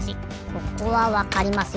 ここはわかりますよ